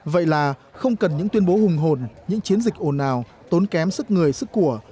vậy là không cần những tuyên bố hùng hồn những chiến dịch ồn ào tốn kém sức người sức của